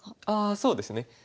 ああそうですね。